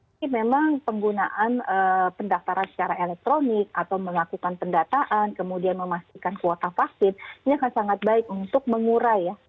ini memang penggunaan pendaftaran secara elektronik atau melakukan pendataan kemudian memastikan kuota vaksin ini akan sangat baik untuk mengurai ya